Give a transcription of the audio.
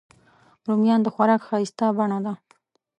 رومیان د خوراک ښایسته بڼه ده